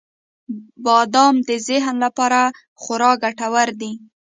• بادام د ذهن لپاره خورا ګټور دی.